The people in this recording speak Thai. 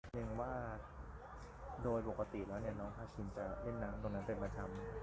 หนึ่งว่าโดยปกติแล้วน้องพาคินจะเล่นน้ำตรงนั้นเป็นประจำ